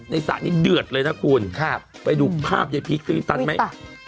ในสระนี้เดือดเลยนะคุณครับไปดูภาพไอ้พีคซีวินตันไหมอุ๊ยตะ